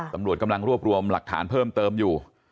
ตำรวจกำลังรวบรวมหลักฐานเพิ่มเติมอยู่